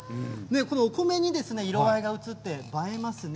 このお米に色合いがうつって映えますね。